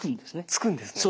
つくんですね。